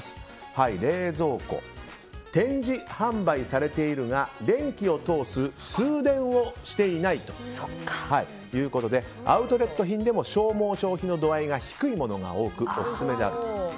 冷蔵庫、展示販売されているが電気を通す通電をしていないということでアウトレット品でも消耗の度合いが低いものが多くオススメであると。